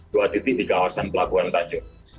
dua titik di kawasan pelabuhan tanjung